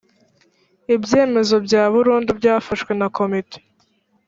ibyemezo bya burundu byafashwe na komite